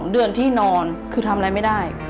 เดือนที่นอนคือทำอะไรไม่ได้